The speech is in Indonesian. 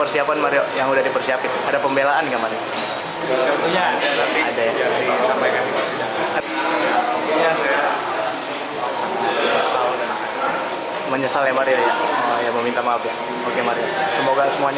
semoga semuanya lancar mario